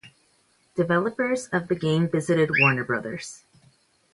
Developers of the game visited Warner Bros.